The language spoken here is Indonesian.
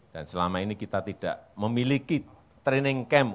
dan selama ini kita tidak memiliki training camp